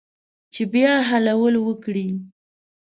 چې بیا حلول وکړي